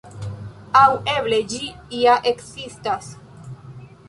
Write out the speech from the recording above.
Aŭ eble ĝi ja ekzistas.